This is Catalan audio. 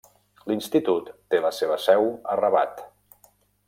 L'institut té la seva seu a Rabat.